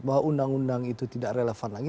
bahwa undang undang itu tidak relevan lagi